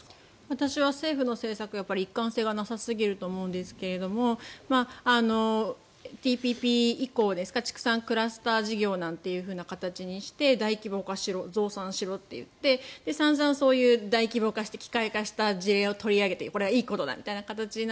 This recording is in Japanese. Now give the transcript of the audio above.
私は政府の政策は一貫性がなさすぎると思うんですけどＴＰＰ以降畜産クラスター事業なんかという形にして大規模化しろ増産しろって言って散々、そういう大規模化してそれを取り上げてこれはいいことだって。